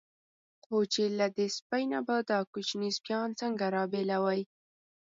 خو چې له دې سپۍ نه به دا کوچني سپیان څنګه را بېلوي.